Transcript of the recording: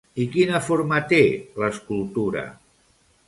I quina forma té, l'escultura?